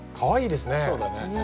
そうだね。